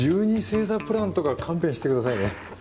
星座プランとか勘弁してくださいね。